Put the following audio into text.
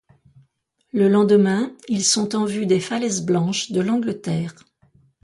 Le lendemain, ils sont en vue des falaises blanches de l'Angleterre.